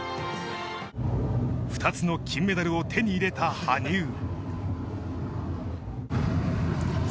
２つの金メダルを手に入れた羽生。